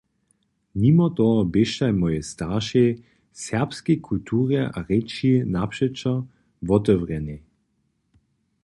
Nimo toho běštaj mojej staršej serbskej kulturje a rěči napřećo wotewrjenej.